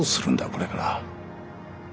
これから。